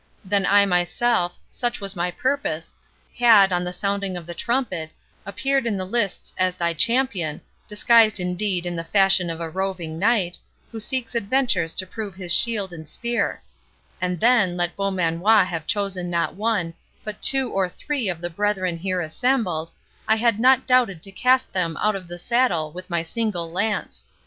Then I myself—such was my purpose—had, on the sounding of the trumpet, appeared in the lists as thy champion, disguised indeed in the fashion of a roving knight, who seeks adventures to prove his shield and spear; and then, let Beaumanoir have chosen not one, but two or three of the brethren here assembled, I had not doubted to cast them out of the saddle with my single lance.